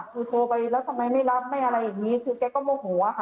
คือโทรไปแล้วทำไมไม่รับไม่อะไรอย่างนี้คือแกก็โมโหค่ะ